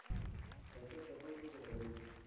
سياست د خلکو غولول دي.